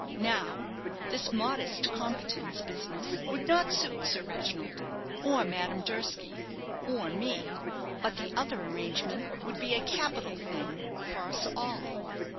Now, this modest competence business would not suit Sir Reginald, or Madame Durski, or me, but the other arrangement would be a capital thing for us all."